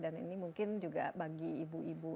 dan ini mungkin juga bagi ibu ibu